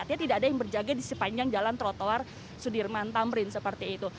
artinya tidak ada yang berjaga di sepanjang jalan trotoar sudirman tamrin seperti itu